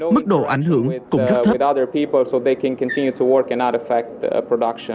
mức độ ảnh hưởng cũng rất thấp